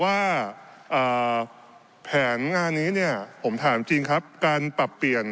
ว่าแผนงานนี้เนี่ยผมถามจริงครับการปรับเปลี่ยน